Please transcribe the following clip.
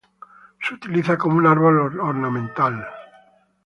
Se utiliza como un árbol ornamental.